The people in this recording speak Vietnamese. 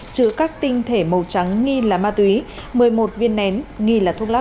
chứa các tinh thể màu trắng nghi là ma túy một mươi một viên nén nghi là thuốc lắc